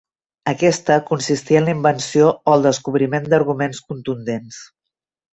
Aquesta, consistia en la invenció o el descobriment d'arguments contundents.